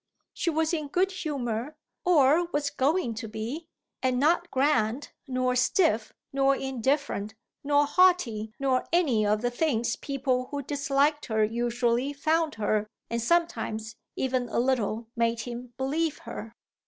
She was in good humour or was going to be, and not grand nor stiff nor indifferent nor haughty nor any of the things people who disliked her usually found her and sometimes even a little made him believe her.